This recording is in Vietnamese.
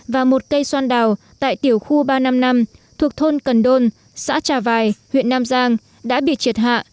và một cây xoan đào tại tiểu khu ba trăm năm mươi năm thuộc thôn cần đôn xã trà vài huyện nam giang đã bị triệt hạ